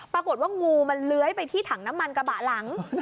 ปรากฏว่างูมันเล้ยไปที่ถังน้ำมันกระบะหลัง